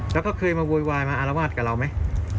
แล้วก็เคยมาโวยวายมาอารวาสกับเราไหม